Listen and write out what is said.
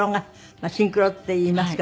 まあシンクロっていいますかね。